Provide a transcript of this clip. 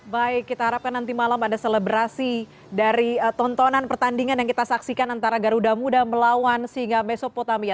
baik kita harapkan nanti malam ada selebrasi dari tontonan pertandingan yang kita saksikan antara garuda muda melawan singa mesopotamia